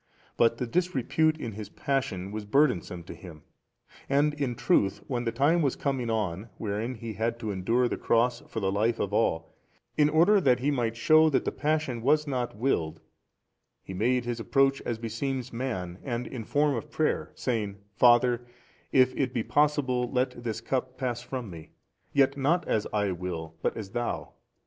But the disrepute in His Passion |312 was burdensome to Him. And in truth when the time was coming on, wherein He had to endure the cross for the life of all, in order that He might shew that the Passion was not willed 71, He made His approach as beseems man and in form of prayer, saying, Father if it be possible let this cup pass from Me, yet not as I will but as Thou.